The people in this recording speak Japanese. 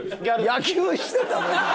野球してたぞ今。